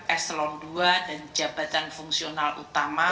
eselon ii dan jabatan fungsional utama